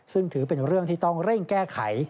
ซึ่งถือเป็นเรื่องที่ต้องเร่งแก้ไข